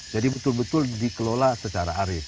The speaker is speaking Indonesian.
jadi betul betul dikelola secara arip